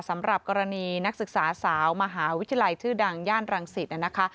สำหรับกรณีนักศึกษาสาวมหาวิทยาลัยชื่อดังย่านรังสิตนะคะ